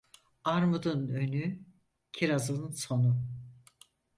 Armudun önü, kirazın sonu.